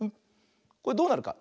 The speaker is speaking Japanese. これどうなるか。